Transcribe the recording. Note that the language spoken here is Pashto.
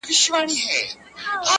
شپانه څرنگه په دښت كي مېږي پيايي؛